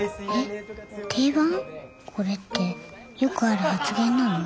これってよくある発言なの？